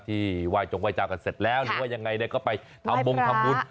ไหว้จงไห้จากันเสร็จแล้วหรือว่ายังไงก็ไปทำบงทำบุญ